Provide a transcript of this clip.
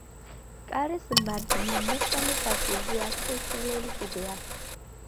კარის მარჯვნივ მესამე სართულზე ასასვლელი კიბეა.